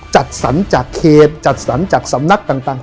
จัดสรรจากเขตจัดสรรจากสำนักต่าง